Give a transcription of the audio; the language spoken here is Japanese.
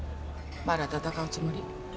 まだ闘うつもり？